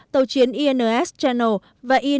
tàu chiến ins channel và ins sunaya